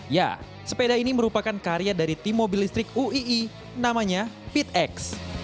ya sepeda ini merupakan karya dari tim mobil listrik uii namanya pit x